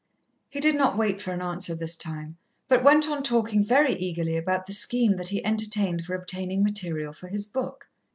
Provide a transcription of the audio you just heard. He did not wait for an answer this time, but went on talking very eagerly about the scheme that he entertained for obtaining material for his book.